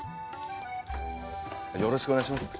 よろしくお願いします。